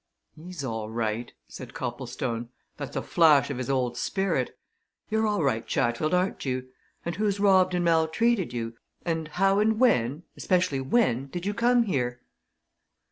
"He's all right," said Copplestone. "That's a flash of his old spirit. You're all right, Chatfield, aren't you? And who's robbed and maltreated you and how and when especially when did you come here?"